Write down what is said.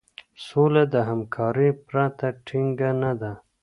سوله د همکارۍ پرته ټينګه نه ده.